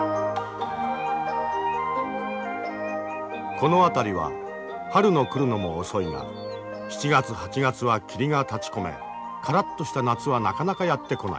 この辺りは春の来るのも遅いが７月８月は霧が立ちこめからっとした夏はなかなかやって来ない。